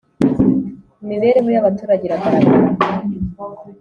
imibereho y abaturage iragaragara